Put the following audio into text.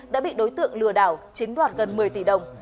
đã bị đối tượng lừa đảo chiếm đoạt gần một mươi tỷ đồng